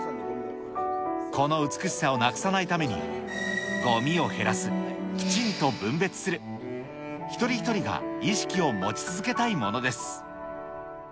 この美しさをなくさないために、ごみを減らす、きちんと分別する、一人一人が意識を持ち続けたいものです。